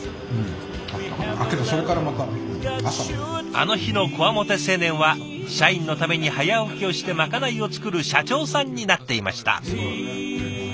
あの日のこわもて青年は社員のために早起きをしてまかないを作る社長さんになっていました。